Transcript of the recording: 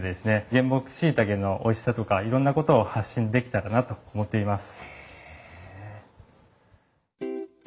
原木しいたけのおいしさとかいろんなことを発信できたらなと思っています。